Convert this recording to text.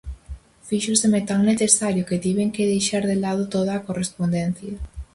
Fíxoseme tan necesario, que tiven que deixar de lado toda a correspondencia.